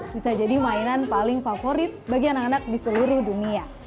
bisa jadi mainan paling favorit bagi anak anak di seluruh dunia